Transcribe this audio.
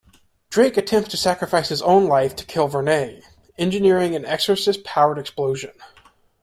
Drake attempts to sacrifice his own life to kill Varnae, engineering an Exorcist-powered explosion.